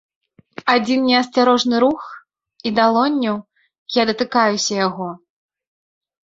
Адзін неасцярожны рух, і далонню я датыкаюся яго.